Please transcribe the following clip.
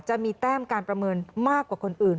จะมีแต้มการประเมินมากกว่าคนอื่น